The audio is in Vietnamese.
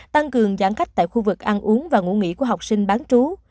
tăng cường giãn cách tại khu vực ăn uống và ngủ nghỉ của học sinh bán trú